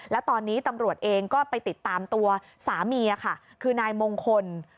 แล้วตอนนี้ตำรวจเองก็ไปติดตามตัวสามีค่ะคือนายมงคล